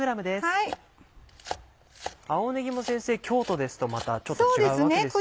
青ねぎも先生京都ですとまたちょっと違うわけですよね。